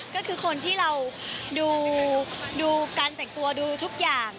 ก็คือคนที่เราดูการแต่งตัวดูทุกอย่าง